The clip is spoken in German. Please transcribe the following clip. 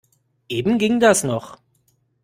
Eben ging das noch.